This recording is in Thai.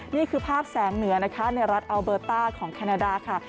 นี่คือภาพแสงเหนือนะคะในรัฐอัลเบอร์ต้าของแคนาดาค่ะ